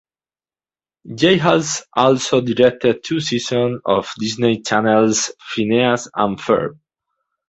Jay has also directed two seasons of Disney Channel's "Phineas and Ferb".